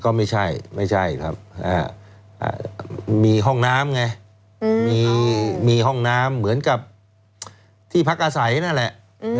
ก็ไม่ใช่ไม่ใช่ครับมีห้องน้ำไงมีห้องน้ำเหมือนกับที่พักอาศัยนั่นแหละ